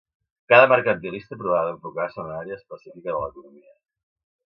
Cada mercantilista provava d'enfocar-se en una àrea específica de l'economia.